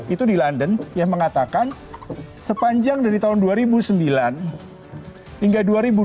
itu di london yang mengatakan sepanjang dari tahun dua ribu sembilan hingga dua ribu dua puluh